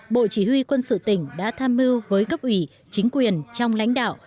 bộ chỉ huy quân sự tỉnh đã tham mưu với cấp ủy chính quyền trong lãnh đạo